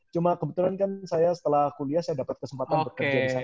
cuma kebetulan kan saya setelah kuliah saya dapat kesempatan bekerja di sana